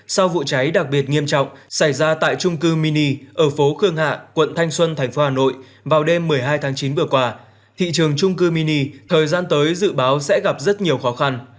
sau vụ cháy đặc biệt nghiêm trọng xảy ra tại trung cư mini ở phố khương hạ quận thanh xuân tp hà nội vào đêm một mươi hai tháng chín vừa qua thị trường trung cư mini thời gian tới dự báo sẽ gặp rất nhiều khó khăn